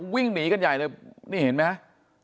วิ่งหนีกันใหญ่เลยนี่เห็นไหมฮะ